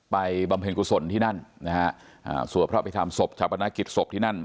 ไปบำเพ็ญกุศลที่นั่นสวพเพราะไปทำศพชัพพนกิจศพที่นั่น